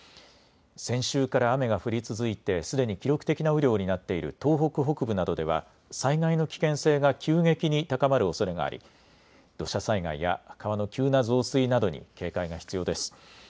先週から雨が降り続いてすでに記録的な雨量になっている東北北部などでは災害の危険性が急激に高まるおそれがあり土砂災害や川の急な増水などに警戒が必要です。